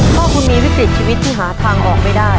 พ่อคุณมีวิติชีวิตที่หาทางออกไปได้